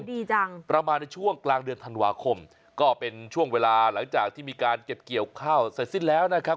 ดีจังประมาณในช่วงกลางเดือนธันวาคมก็เป็นช่วงเวลาหลังจากที่มีการเก็บเกี่ยวข้าวเสร็จสิ้นแล้วนะครับ